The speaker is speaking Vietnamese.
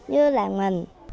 như là mình